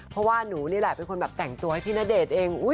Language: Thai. เพราะว่าหนูนี่แหละเป็นคนแบบแต่งตัวให้พี่ณเดชน์เอง